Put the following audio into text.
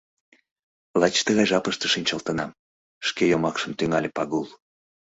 Лач тыгай жапыште шинчылтынам, — шке йомакшым тӱҥале Пагул.